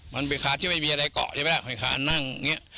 มันเป็นคานที่ไม่มีอะไรเกาะใช่ไหมล่ะคานนั่งเนี่ย